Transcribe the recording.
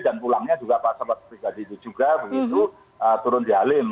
dan pulangnya juga pesawat pribadi itu juga begitu turun di halim